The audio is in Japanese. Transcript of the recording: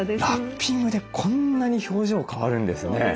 ラッピングでこんなに表情が変わるんですよね。